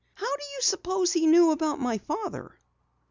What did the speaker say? "How do you suppose he knew about my father?"